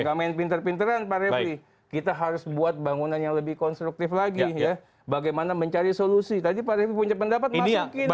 gak main pinter pinteran pak refli kita harus buat bangunan yang lebih konstruktif lagi ya bagaimana mencari solusi tadi pak refli punya pendapat masukin